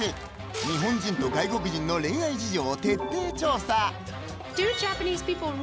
日本人と外国人の恋愛事情を徹底調査。